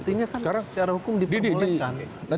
artinya kan secara hukum dipembolehkan